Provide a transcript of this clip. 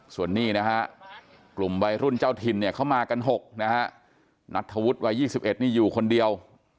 ส่วนนี้นะฮะกลุ่มวัยรุ่นเจ้าถิ่นเนี่ยเขามากัน๖นะฮะนัทธวุฒิวัย๒๑นี่อยู่คนเดียว